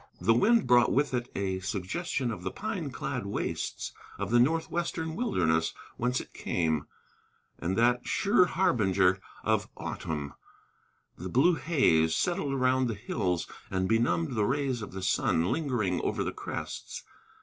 The wind brought with it a suggestion of the pine clad wastes of the northwestern wilderness whence it came, and that sure harbinger of autumn, the blue haze, settled around the hills, and benumbed the rays of the sun lingering over the crests.